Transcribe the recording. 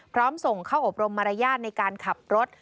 พร้อมส่งเข้าอบรมมารยาทในการขับรถ